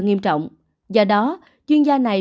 nghiêm trọng do đó chuyên gia này